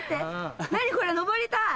何これ上りたい！